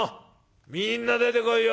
みんな出てこいよ。